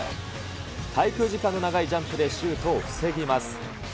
滞空時間の長いジャンプでシュートを防ぎます。